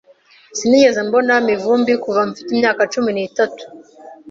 Sinigeze mbona Mivumbi kuva mfite imyaka cumi n'itatu.